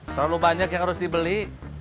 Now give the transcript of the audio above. terlalu banyak yang harus dibeli